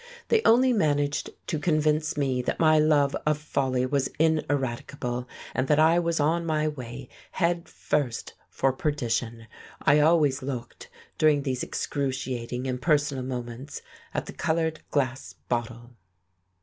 They only managed to convince me that my love of folly was ineradicable, and that I was on my way head first for perdition. I always looked, during these excruciating and personal moments, at the coloured glass bottle.